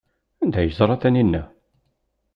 Anda ay yeẓra Taninna?